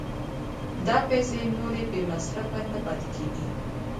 دا پیسې نورې بې مصرفه نه پاتې کېږي